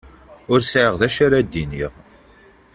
Ur sɛiɣ d acu ara d-iniɣ.